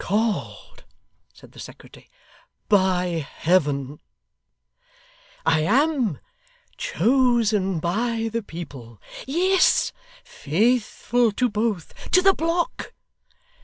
'Called,' said the secretary, 'by Heaven.' 'I am.' 'Chosen by the people.' 'Yes.' 'Faithful to both.' 'To the block!